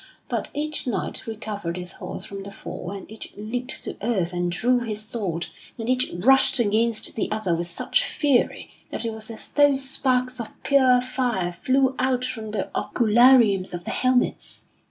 But each knight recovered his horse from the fall and each leaped to earth and drew his sword, and each rushed against the other with such fury that it was as though sparks of pure fire flew out from the oculariums of the helmets.